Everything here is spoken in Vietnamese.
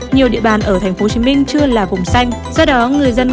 nhiều địa bàn ở tp hcm chưa là vùng xanh